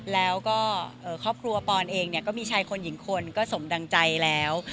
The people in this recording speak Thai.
แล้วก็ครอบครัวปอนเองก็มีชายคนหญิงคนก็สมดังใจแล้ว